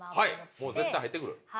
もう絶対入ってくる。